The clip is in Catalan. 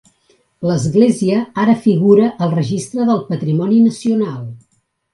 L'església ara figura al registre del patrimoni nacional.